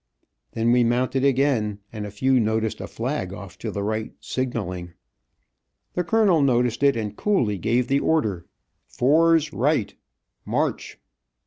Then we mounted again, and a few noticed a flag off to the right signaling. The colonel noticed it and coolly gave the order, "fours right, march."